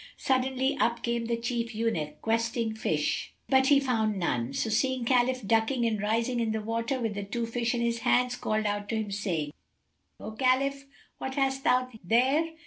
Suddenly, up came the chief eunuch, questing fish, but he found none; so seeing Khalif ducking and rising in the water, with the two fish in his hands, called out to him, saying, "O Khalif, what hast thou there?"